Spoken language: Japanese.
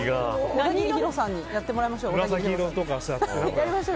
小田切ヒロさんにやってもらいましょう。